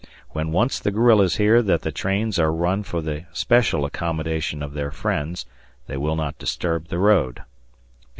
... When once the guerrillas hear that the trains are run for the special accommodation of their friends, they will not disturb the road.